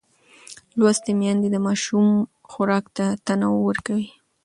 لوستې میندې د ماشوم خوراک ته تنوع ورکوي.